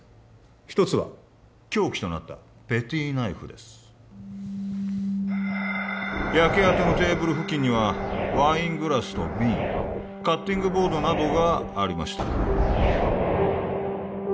一つは凶器となったペティナイフです焼け跡のテーブル付近にはワイングラスと瓶カッティングボードなどがありました